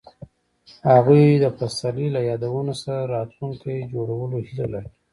هغوی د پسرلی له یادونو سره راتلونکی جوړولو هیله لرله.